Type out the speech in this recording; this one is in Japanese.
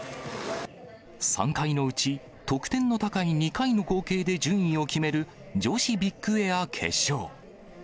３回のうち、得点の高い２回の合計で順位を決める、女子ビッグエア決勝。